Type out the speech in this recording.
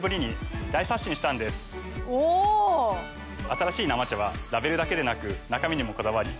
新しい生茶はラベルだけでなく中身にもこだわり。